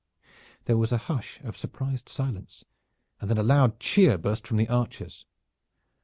There was a hush of surprised silence and then a loud cheer burst from the archers.